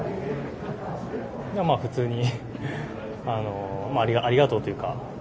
まあ、普通にありがとうというか。